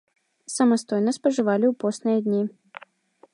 Самастойна спажывалі ў посныя дні.